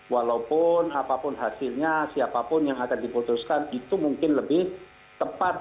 walaupun apapun hasilnya siapapun yang akan diputuskan itu mungkin lebih tepat